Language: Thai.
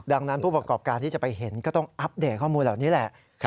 ดังนั้นผู้ประกอบการที่จะไปเห็นก็ต้องอัปเดตข้อมูลเหล่านี้แหละ